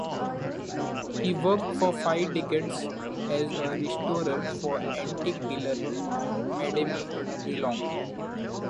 He worked for five decades as a restorer for antique dealer Madame Lelong.